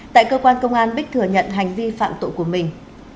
tại cơ quan công an bích thừa nhận hành vi phạm tội của mình